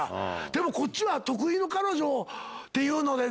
でもこっちは徳井の彼女っていうので。